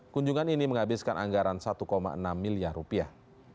kunjungan ini menghabiskan anggaran satu enam miliar rupiah